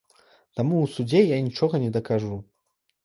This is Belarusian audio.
Таму ў судзе я нічога не дакажу.